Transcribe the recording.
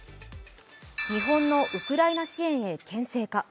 日本のウクライナ支援へけん制か。